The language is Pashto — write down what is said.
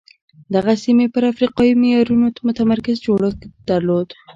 دغې سیمې پر افریقایي معیارونو متمرکز جوړښت درلود.